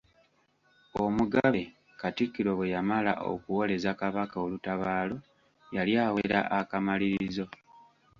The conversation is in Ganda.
Omugabe Katikkiro bwe yamala okuwoleza Kabaka olutabaalo, yali awera akamalirizo.